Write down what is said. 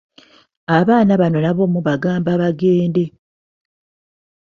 Abaana bano nabo mubagamba bagende.